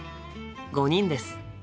５人です。